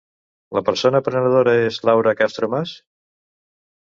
La persona prenedora és Laura Castro Mas?